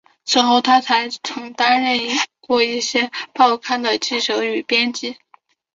此后他还曾担任过一些报刊的记者与编辑。